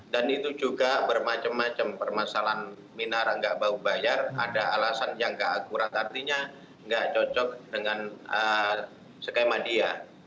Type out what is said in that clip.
dan itu juga bermacam macam permasalahan minara nggak bau bayar ada alasan yang nggak akurat artinya nggak cocok dengan skema dia